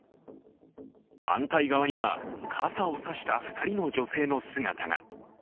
反対側には、傘を差した２人の女性の姿が。